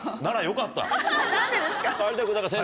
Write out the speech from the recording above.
ならよかった。